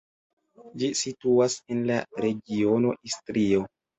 Ĝi situas en la regiono Istrio.